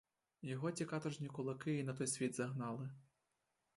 Його ті каторжні кулаки й на той світ загнали.